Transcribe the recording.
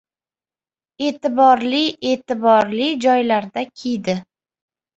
E’tiborli-e’tiborli joylarda kiydi.